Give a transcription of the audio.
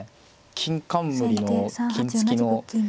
金冠の金付きの。